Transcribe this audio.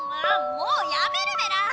もうやめるメラ！